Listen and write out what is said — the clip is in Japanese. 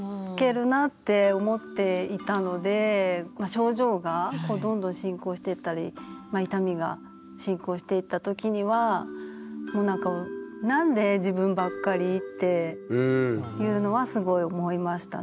症状がどんどん進行していったり傷みが進行していった時にはもうなんかなんで自分ばっかりっていうのはすごい思いましたね。